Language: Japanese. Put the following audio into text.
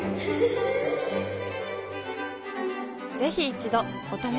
ぜひ一度お試しを。